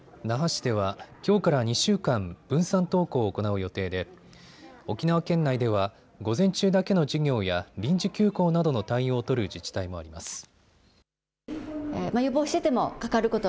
那覇市では、きょうから２週間、分散登校を行う予定で沖縄県内では午前中だけの授業や臨時休校などの対応を取る自治体もあります。